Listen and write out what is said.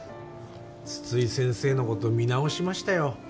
津々井先生のこと見直しましたよ。